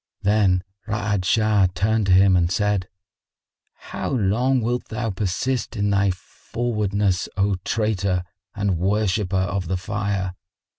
Then Ra'ad Shah turned to him and said, "How long wilt thou persist in thy frowardness, O traitor and worshipper of the Fire?